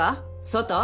外？